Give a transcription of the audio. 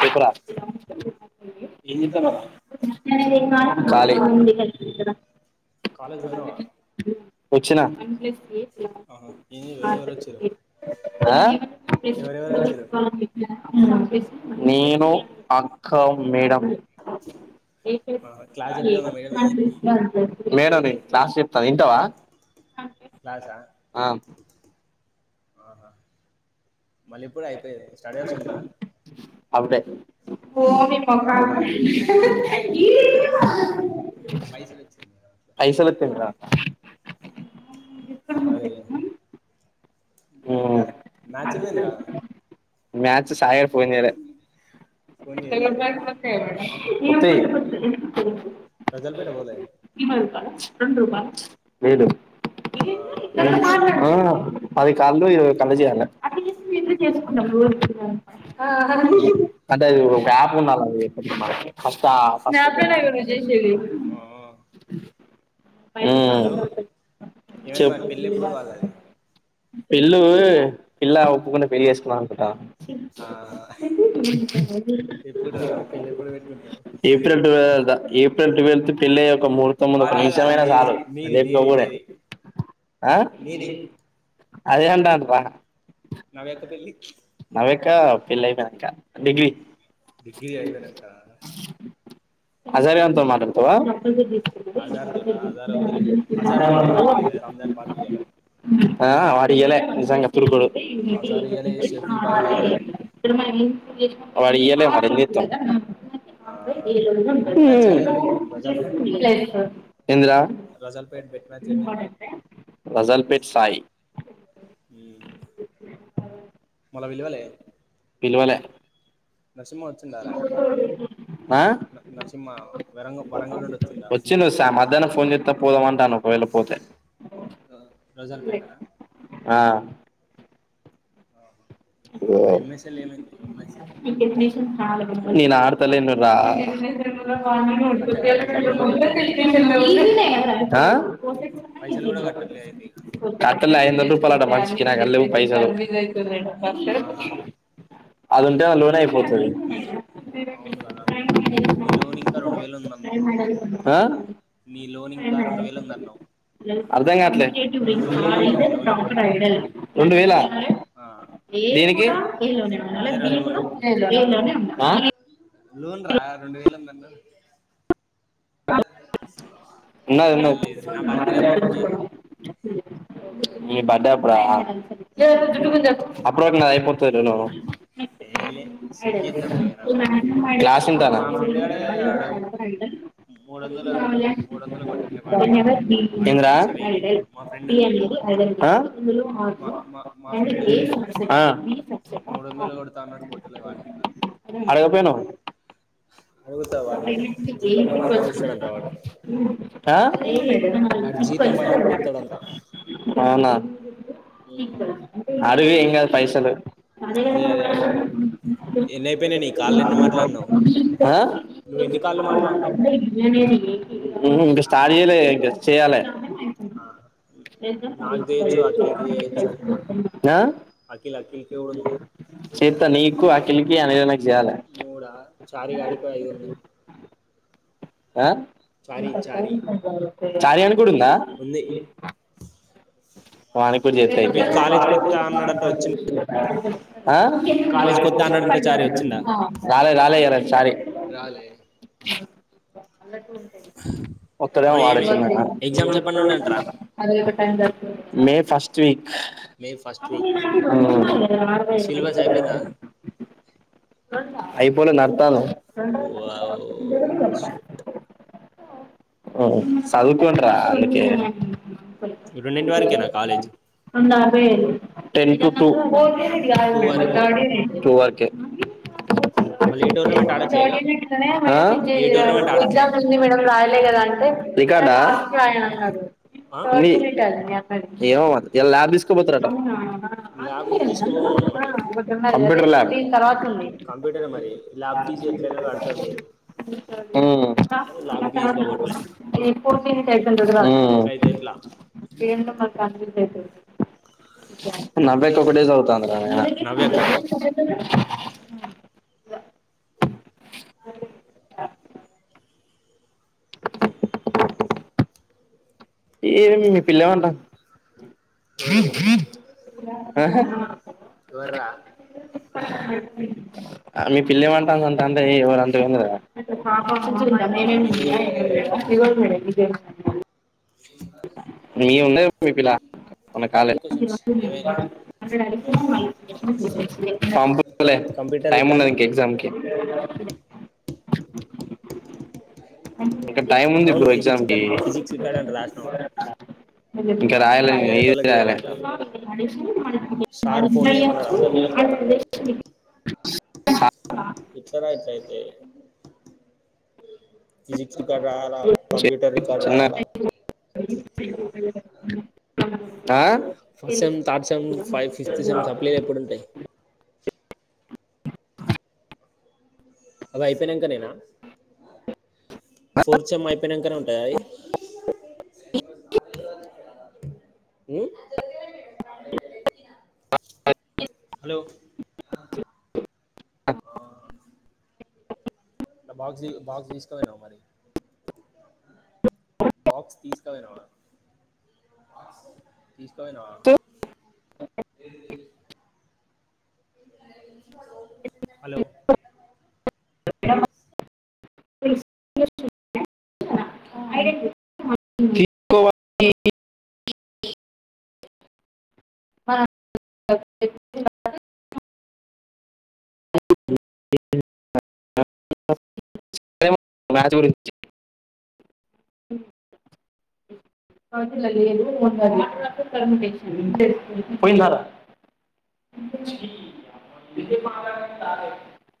చెప్పు రా ఎన్ జెత్తనవ్ర కాలి స్ పోయినవా ఓచ్చినా ఆహ్ నేను అక్క మేడం మేడమే క్లాస్ చెప్తాది వింటవా క్లాసా ఆ ఆహా మల్లెప్పుడు అయిపోయేది స్టడీహార్స్ ఉందా హాఫ్ డే పైసలు ఒచ్చి పైసల్ ఒత్తయి మేడం అది మరి ఇంకా మ్యాచ్ ఏమైందిరా మ్యాచ్ సాయి గాడు ఫోన్ చేయలే ఒత్తెయీ లేదు పది కాళ్ళు ఇరవై కాళ్ళు చేయాలి అంటే ఒక ఆప్ ఉండాలే ఫస్ట్ ఆ ఆ ఫస్ట్ ఉ చెప్ పిల్లూ పిల్లా ఒప్పుకుంటే పెళ్ళి చేసుకుందాం ఏప్రిల్ ట్వె ఆ ఏప్రిల్ ట్వెల్త్ పెళ్ళయి ఒక ముహూర్తం ముందు ఒక నిమిషమైనా సాలు లేప్కపోవుడే ఆ అదే అంటానరా ఆమెకా పెళ్ళాయిపెనంకా డిగ్రీ హజార్ గాన్ తోని మాట్లాడతవా హజార్ తోటా హజార్ ఒద్దులే హజార్ మనక్ పార్టీ ఇయాలే రంజాన్ పార్టీ ఇయ్యాలే ఆ వాడు ఇయాలే నిజంగా తురుకోడు వారడ్ ఇయలే మరి ఎంజేత్తం హ్మ్ ఎందిరా రజల్పేట్ సాయి మళ్ళ విల్వలే నర్సింహ వచ్చిండారా న నరసింహ వరంగ వరంగల్ నుండి వచ్చిండా వెళ్ళపోతే రాజల్పేటనా మరి ఎంఎస్ఎల్ ఏమైంది ఎంఎస్ఎల్ నేను ఆడతలేను రా అయితే పైసలు కూడా కట్టట్లేదు అయితే కట్టల్ ఐదు వంద రూపాయలాట మంచికి నా దగ్గర లేవు పైసాలు అదింటే ఆ లోనే అయిపోతది ఆ లోన్ ఇంకా రెండు వేలు ఉంది అందులో అర్ధాంగాట్లే రెండు వేలా దేనికి ఆ లోన్ రా రెండు వేలు ఉంది అందులో ఉన్నది ఉన్నది నీ బర్డే అప్పుడా అప్పుడు వరకు నాది అయిపోతది లే నా లోన్ క్లాస్ వింటానా ఎందిరా ఆ ఆ వాడింద అడగపోయినవు అడుగుతా వాడి జీతం పడ్డప్పుడు ఇస్తాడంట వాడు ఆ అవునా అడుగు ఏం కాదు పైసలు ఆ ఉహు ఇంకా స్టార్ట్ చేయాలే ఇంకా చేయాలే ఆ నాకు చేయొచ్చు అకిలికి చేయాచ్చు అఖిల్ అఖిల్ కి కూడా ఉంది మూడా చారిగాడికి ఐదు కొందు ఆ చారి గానికి కూడా ఉందా అ వానికి కూడా చేప్పయితే ఆ రాలే రాలే ఇవ్వల చారి రాలే అలా ఒత్తడేమో వాడొచ్చినంక మే ఫస్ట్ వీక్ ఉమ్ అయిపోలే రాతన్నం ఉ చదుకొండిర అందుకే పన్నెండు వరకేనా college ten to two, two వరకే అ మళ్ళీ ఏ టూర్నమెంట్ ఆ రికార్డు ఆ మీ ఏమో మరి ఇయ్యాలా ల్యాబ్ తీసుకోపోతారట కంప్యూటర్ ల్యాబ్ ఉమ్ ఉమ్ వ ఏ మా కనిపి నవ్యక్క ఒకటే చదువుతంది రా అయ్యా ఏ మీ పిల్లమంటా ఆహా మీ పిల్ల ఏం మంటాంది అంటే ఎవరు అంటావు ఏంది రా మ మీ ఉన్నా మీ పిలా మన కాాల పపలే టైమ్ ఉన్నది ఇంకా ఎగ్జామ్కి ఇక్క టైం ఉంది ఇప్పుడు ఎగ్జామ్కిి ఇంకా రాయాల ఏది రాయాల అ ఇట్లా రాయతయితే చెప్పి ఆ ఆ అయిపనాంకన్ ఏనా ఫోర్ చెమ్ అయిపోయినాకనే ఉంటాయా అది అ హలో అ బగ బాీసు కవనాారి బాక్స్ తీసుకవనా తీసుకానా హలో ప్లేసస్ తీసుకోవాలి ఆ మ్యాచ్ అ పోయినారు అ ఇ మాగాంట